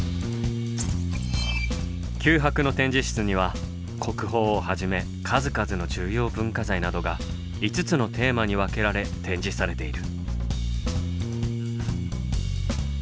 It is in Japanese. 九博の展示室には国宝をはじめ数々の重要文化財などが５つのテーマにわけられ展示されている。